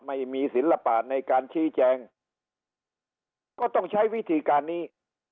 ไม่มีศิลปะในการชี้แจงก็ต้องใช้วิธีการนี้